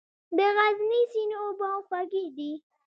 د غزني سیند اوبه خوږې دي